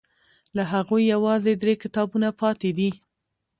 له هغوی یوازې درې کتابونه پاتې دي.